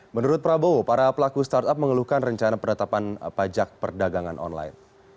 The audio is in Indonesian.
menurut prabowo para pelaku startup mengeluhkan rencana penetapan pajak perdagangan online